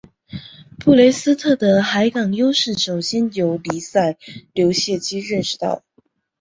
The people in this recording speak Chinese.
布雷斯特的海港优势首先由黎塞留枢机认识到。